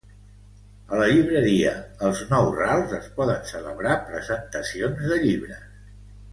A la llibreria Els Nou Rals es poden celebrar presentacions de llibres.